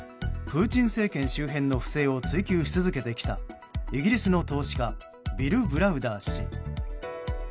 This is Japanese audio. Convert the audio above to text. プーチン政権周辺の不正を追及し続けてきたイギリスの投資家ビル・ブラウダー氏。